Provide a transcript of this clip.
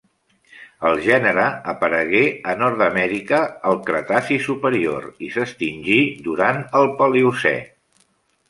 El gènere aparegué a Nord-amèrica al Cretaci superior i s'extingí durant el Paleocè.